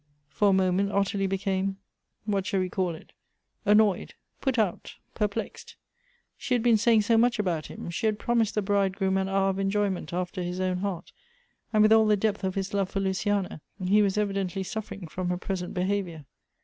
For a moment Ottilie became — what shall we call it? — annoyed, put out, perplexed. She had been saying so much about him — she had promised the bridegroom an hour of enjoyment after his own heart; and with all the depth of his love for Luciana, he was evidently suffering from her present behavior.